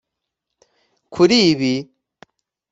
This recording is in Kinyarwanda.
Kuri ibi